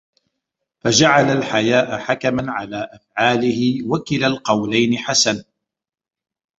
فَجَعَلَ الْحَيَاءَ حَكَمًا عَلَى أَفْعَالِهِ وَكِلَا الْقَوْلَيْنِ حَسَنٌ